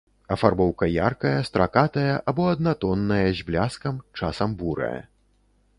Афарбоўка яркая, стракатая або аднатонная, з бляскам, часам бурая.